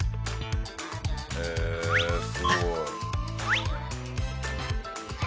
へえすごい。